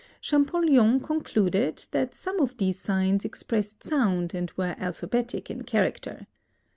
Champollion concluded that some of these signs expressed sound and were alphabetic in character.